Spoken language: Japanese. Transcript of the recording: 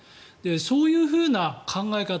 そういうふうな考え方